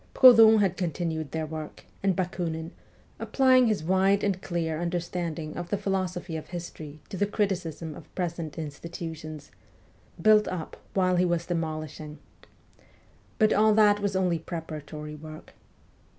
Proudhon had continued their work, and Bakunin, applying his wide and clear understanding of the philosophy of history to the criticism of present institutions, ' built up while he was demolishing.' But all that was only preparatory work.